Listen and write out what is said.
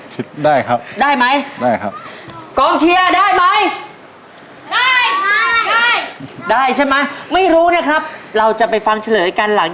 เร็วเร็วแล้วค่อยไปล้ามกำลังมาแล้ว